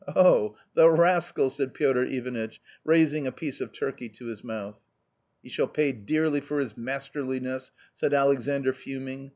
Oh, the rascal !" said Piotr Ivanitch, raising a piece of turkey to his mouth. " He shall pay dearly for his masterliness 1 " said Alexandr, fuming.